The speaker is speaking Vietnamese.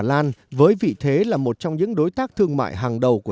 bạn sẽ phải di chuyển giữa các trung tâm khác nhau